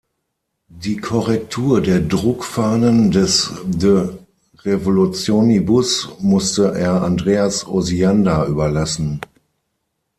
Die Korrektur der Druckfahnen des "De revolutionibus" musste er Andreas Osiander überlassen.